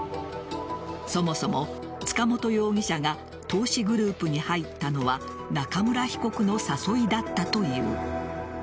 そもそも塚本容疑者が投資グループに入ったのは中村被告の誘いだったという。